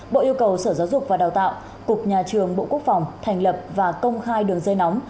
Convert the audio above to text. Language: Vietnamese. bộ yêu cầu sở giáo dục và đào tạo cục nhà trường bộ quốc phòng thành lập và công khai đường dây nóng